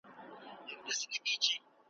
نور یې کښېښودل په منځ کي کبابونه.